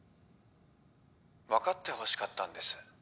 分かってほしかったんです